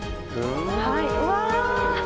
うわ！